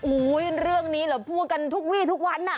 อุ๊ยเรื่องนี้แหละพูดกันทุกวีทุกวัน